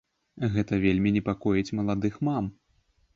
Гэта вельмі непакоіць маладых мам.